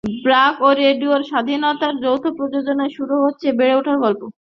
ব্র্যাক ও রেডিও স্বাধীনের যৌথ প্রযোজনায় শুরু হচ্ছে বেড়ে ওঠার গল্প।